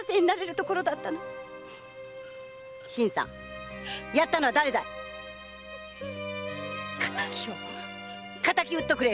新さんやったのは誰だい⁉敵を敵を討っとくれよ！